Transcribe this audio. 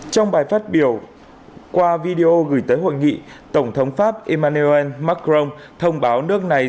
trong bài phát biểu qua video gửi tới hội nghị tổng thống pháp emmanuel macron thông báo nước này